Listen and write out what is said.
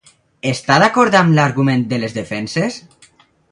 Està d'acord amb l'argument de les defenses?